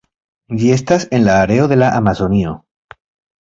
Ĝi estas en la areo de la Amazonio.